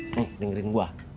nih dengerin gua